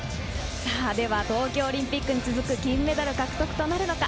では東京オリンピックに続く金メダル獲得となるのか。